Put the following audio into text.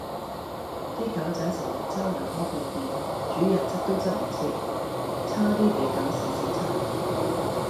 啲狗仔成日周圍痾便便，主人執都執唔切，差啲比狗屎跣親